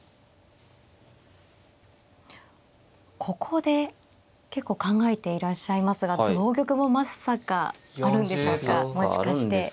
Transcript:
ここで結構考えていらっしゃいますが同玉もまさかあるんでしょうかもしかして。